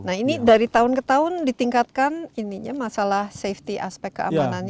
nah ini dari tahun ke tahun ditingkatkan masalah safety aspek keamanannya